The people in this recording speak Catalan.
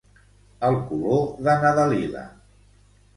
El color de na Dalila.